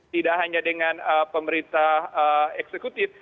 tidak hanya dengan pemerintah eksekutif